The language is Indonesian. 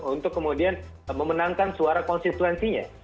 untuk kemudian memenangkan suara konstituensinya